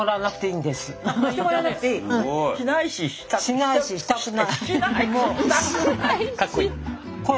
しないししたくない。